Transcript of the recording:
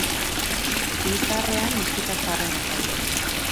Hiri zaharrean, meskita zaharrenak daude.